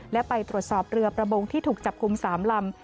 และไปตรวจสอบเรือประมงที่ถูกจับกลุ่ม๓ลำ